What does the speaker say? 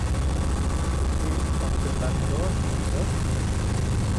The key of the back door, sir?